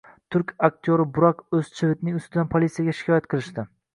Turk aktyori Burak O‘zchivitning ustidan politsiyaga shikoyat qilishdi